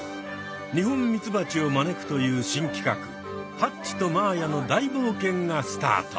ニホンミツバチを招くという新企画「ハッチとまーやの大冒険」がスタート！